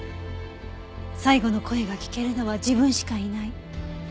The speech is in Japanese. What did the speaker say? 最後の声が聞けるのは自分しかいない。